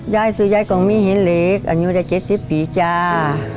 ยายสุยายกลงมีเห็นเล็กอันยูดาย๗๐ปีจ้า